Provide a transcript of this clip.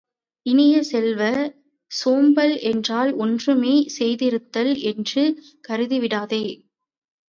இனிய செல்வ, சோம்பல் என்றால் ஒன்றுமே செய்யாதிருத்தல் என்று கருதிவிடாதே!